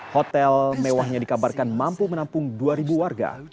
hotel mewahnya dikabarkan mampu menampung dua warga